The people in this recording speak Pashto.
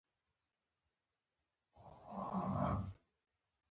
هر څوک د خاورې یو ټوټه کېږي.